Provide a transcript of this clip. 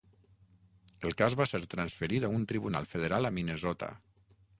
El cas va ser transferit a un tribunal federal a Minnesota.